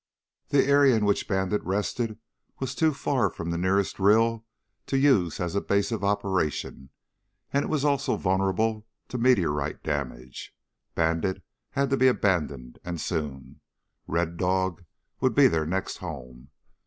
The area in which Bandit rested was too far from the nearest rill to use as a base of operation, and it was also vulnerable to meteorite damage. Bandit had to be abandoned, and soon. Red Dog would be their next home.